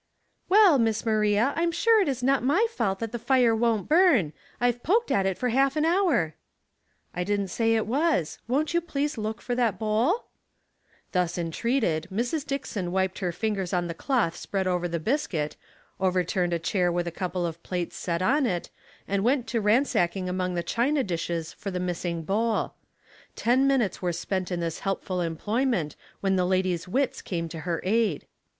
" Well, Miss Maria, Fm sure it is not my fault that the fire won't burn. I've poked at it ■*'^r half an hour." " I didn't say it was. Won't you please look f that bowl ?" Thus entreated, Mrs. Dickson wiped her fingers on the cloth spread over the biscuit, over turned a chair with a couple of plates set on it, and went to ransacking among the china dishes for the missing bowl. Ten minutes were spent in this helpful employment, when the lady's wits came to her aid.